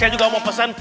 saya juga mau pesen